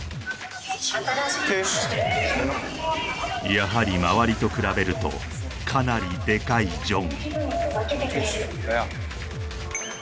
やはり周りと比べるとかなりデカいジョン